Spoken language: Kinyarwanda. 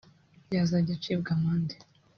yazajya acibwa amande